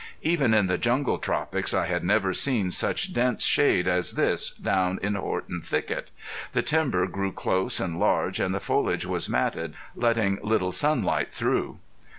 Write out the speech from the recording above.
Even in the jungle tropics I had never seen such dense shade as this down in Horton Thicket. The timber grew close and large, and the foliage was matted, letting little sunlight through.